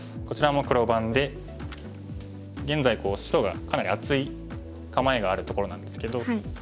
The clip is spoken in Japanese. こちらも黒番で現在白がかなり厚い構えがあるところなんですけど。